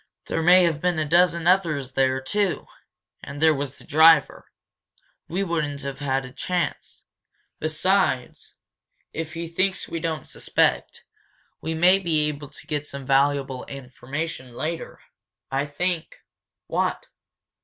There may have been a dozen others there, too. And there was the driver. We wouldn't have had a chance. Besides, if he thinks we don't suspect, we may be able to get some valuable information later. I think " "What?"